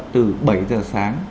từ bảy giờ sáng